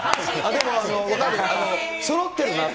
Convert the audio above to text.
でもそろってるなって。